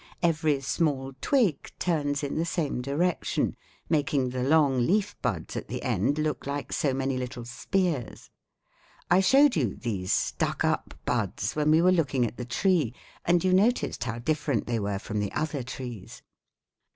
Every small twig turns in the same direction, making the long leaf buds at the end look like so many little spears. I showed you these 'stuck up' buds when we were looking at the tree, and you noticed how different they were from the other trees."